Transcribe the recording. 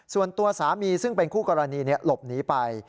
ส่วนตัวสามีซึ่งเป็นคู่กรณีหลบหนีไป